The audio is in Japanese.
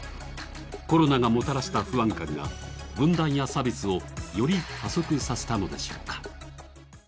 コロナがもたらした不安感や分断や差別を、より加速させたのでしょうか。